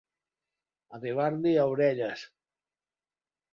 Arribar-l'hi a orelles.